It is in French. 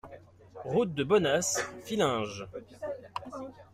Route de Bonnaz, Fillinges